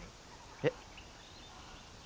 えっ。